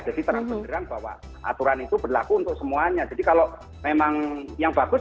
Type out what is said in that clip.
jadi terang terang bahwa aturan itu berlaku untuk semuanya jadi kalau memang yang bagus itu